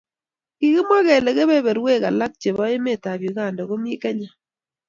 kikimwa kele keberberwek alak chebo emet ab Uganda komii Kenya